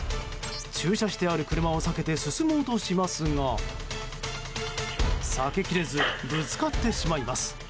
駐車してある車を避けて進もうとしますが避けきれずぶつかってしまいます。